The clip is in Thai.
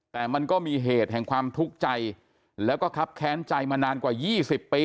แต่มันก็มีเหตุแห่งความทุกข์ใจแล้วก็ครับแค้นใจมานานกว่า๒๐ปี